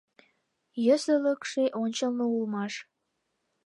Йӧсылыкшӧ ончылно улмаш.